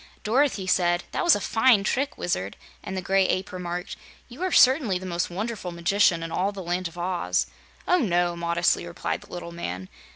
Dorothy said: "That was a fine trick, Wizard!" and the Gray Ape remarked: "You are certainly the most wonderful magician in all the Land of Oz!" "Oh, no," modestly replied the little man.